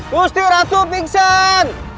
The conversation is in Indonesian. gusti ratu pingsan